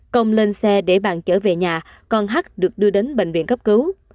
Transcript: công lên xe để bạn chở về nhà còn hát được đưa đến bệnh viện cấp cứu